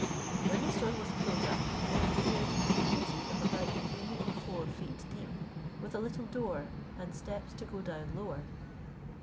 When the stone was pulled up, there appeared a cavity of about three or four feet deep, with a little door, and steps to go down lower.